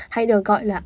hay được gọi là